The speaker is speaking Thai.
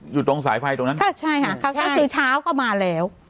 อยู่ตรงสายไฟตรงนั้นค่ะใช่ค่ะก็คือเช้าก็มาแล้ว